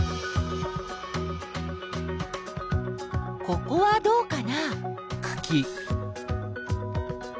ここはどうかな？